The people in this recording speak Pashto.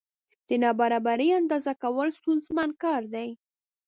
د نابرابرۍ اندازه کول ستونزمن کار دی.